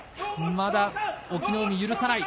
まだ隠岐の海、許さない。